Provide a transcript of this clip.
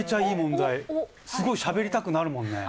すごいしゃべりたくなるもんね。